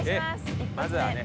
まずはね。